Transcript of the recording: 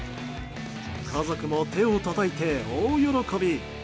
家族も手をたたいて大喜び。